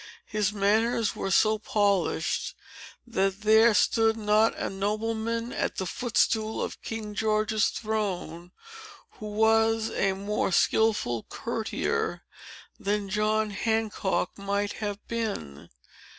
His manners were so polished, that there stood not a nobleman at the footstool of King George's throne, who was a more skilful courtier than John Hancock might have been.